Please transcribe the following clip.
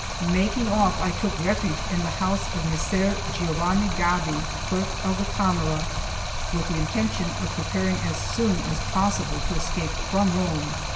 Making off, I took refuge in the house of Messer Giovanni Gaddi, clerk of the Camera, with the intention of preparing as soon as possible to escape from Rome.